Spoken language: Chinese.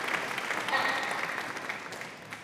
最有名是洪景来之乱。